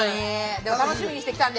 でも楽しみにしてきたんで。